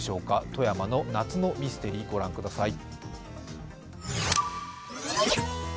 富山の夏のミステリー、御覧ください。